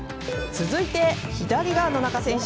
続いて、左が野中選手。